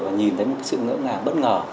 và nhìn thấy một sự ngỡ ngàng bất ngờ